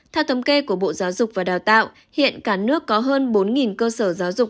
theo thống kê của bộ giáo dục và đào tạo hiện cả nước có hơn bốn cơ sở giáo dục